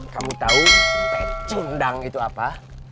kamu tahu cindang itu apa